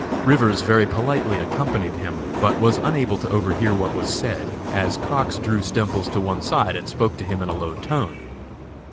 Rivers very politely accompanied him, but was unable to overhear what was said, as Cox drew Stemples to one side and spoke to him in a low tone.